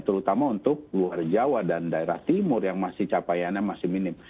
terutama untuk luar jawa dan daerah timur yang masih capaiannya masih minim